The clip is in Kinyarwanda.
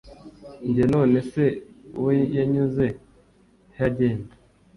Njye none se we yanyuze he agenda